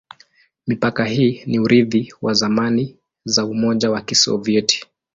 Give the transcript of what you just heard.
Mipaka hii ni urithi wa zamani za Umoja wa Kisovyeti.